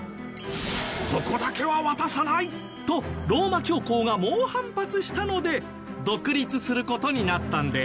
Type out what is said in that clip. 「ここだけは渡さない」とローマ教皇が猛反発したので独立する事になったんです。